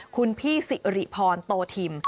คุณพี่สิริพรโตทิม